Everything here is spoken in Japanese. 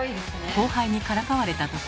後輩にからかわれたとき。